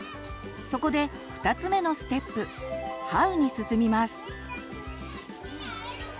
そこで２つ目のステップ「ＨＯＷ」に進みます。